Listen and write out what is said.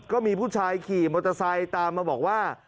ก็มีผู้ชายขี่มอเตอร์ไซค์ตามมาบอกว่า